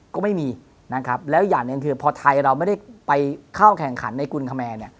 ก็ไม่มีนะครับแล้วอย่างหนึ่งคือพอไทยเราไม่ได้ไปเข้าแข่งขันในกุลคแมนเนี่ย